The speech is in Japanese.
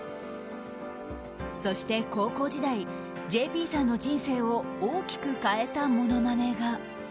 そして、高校時代ＪＰさんの人生を大きく変えたものまねが。